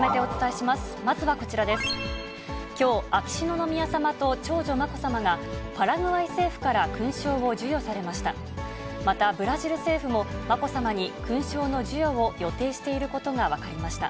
きょう、秋篠宮さまと長女、まこさまが、パラグアイ政府から勲章を授与されました。